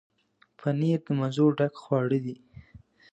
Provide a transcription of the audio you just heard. پنېر د مزو ډک خواړه دي.